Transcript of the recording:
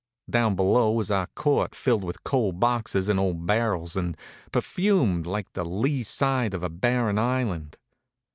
Down below was a court filled with coal boxes and old barrels, and perfumed like the lee side of Barren Island.